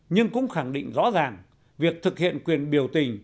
nhưng cũng khẳng định rõ ràng việc thực hiện quyền biểu tình